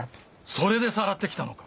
それでさらって来たのか